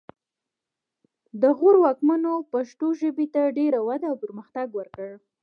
د غور واکمنو پښتو ژبې ته ډېره وده او پرمختګ ورکړ